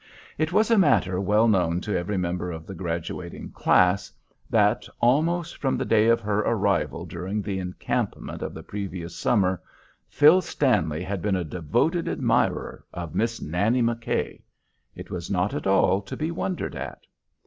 It was a matter well known to every member of the graduating class that, almost from the day of her arrival during the encampment of the previous summer, Phil Stanley had been a devoted admirer of Miss Nannie McKay. It was not at all to be wondered at.